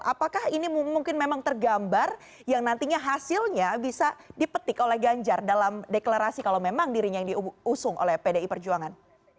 apakah ini mungkin memang tergambar yang nantinya hasilnya bisa dipetik oleh ganjar dalam deklarasi kalau memang dirinya yang diusung oleh pdi perjuangan